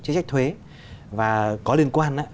chiến trích thuế và có liên quan